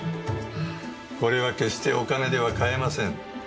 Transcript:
これは決してお金では買えません。